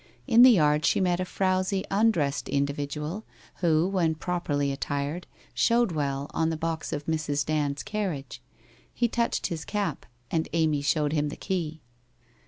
Tn the yard she met a frowsy undressed individual, who, when properly attired, showed well on the box of Mrs. Dand's carriage. He touched his cap, and Amy showed him the key.